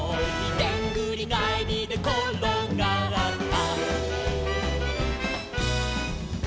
「でんぐりがえりでころがった」